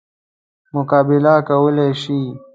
مقابله کولای شي.